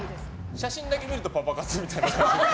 写真だけ見るとパパ活みたいな。